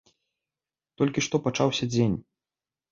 Толькі што пачаўся дзень.